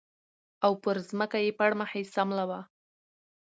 او پر ځمکه یې پړ مخې سملاوه